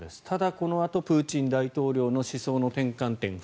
ただ、このあとプーチン大統領の思想の転換点